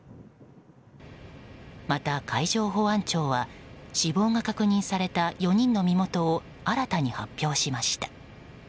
また、海上保安庁は死亡が確認された４人の身元を新たに発表しました。